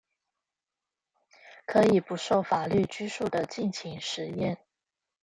可以不受法律拘束地盡情實驗